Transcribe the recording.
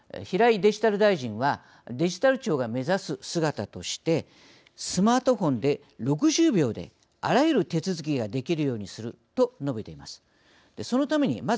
デジタル大臣はデジタル庁が目指す姿としてスマートフォンで６０秒であらゆる手続きができるようにすると述べています。